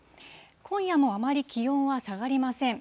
今夜もあまり気温は下がりません。